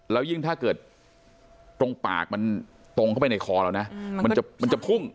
แล้วยิ่งถ้าเกิดตรงปากมันตรงเข้าไปในคอเรานะมันจะพุ่ง